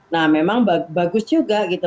nah memang bagus juga gitu